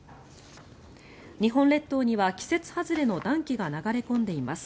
日本列島には季節外れの暖気が流れ込んでいます。